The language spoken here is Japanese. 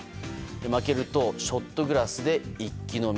負けるとショットグラスで一気飲み。